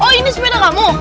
oh ini sepeda kamu